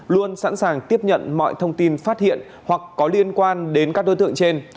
luôn sẵn sàng tiếp nhận mọi thông tin phát hiện hoặc có liên quan đến các đối tượng trên